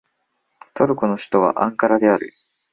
トルコの首都はアンカラである